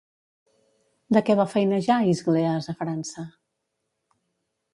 De què va feinejar Isgleas a França?